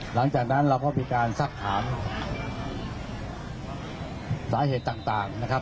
หลังจากนั้นเราก็มีการซักถามสาเหตุต่างนะครับ